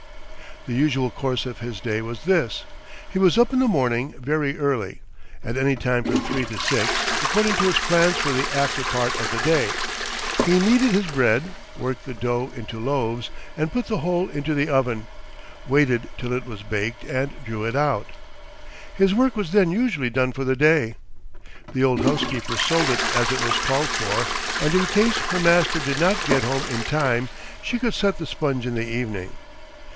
The usual course of his day was this: He was up in the morning very early, at any time from three to six, according to his plans for the after part of the day. He kneaded his bread, worked the dough into loaves, put the whole into the oven, waited till it was baked, and drew it out. His work was then usually done for the day. The old housekeeper sold it as it was called for, and, in case her master did not get home in time, she could set the sponge in the evening.